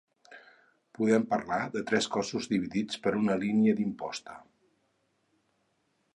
Podem parlar de tres cossos dividits per una línia d'imposta.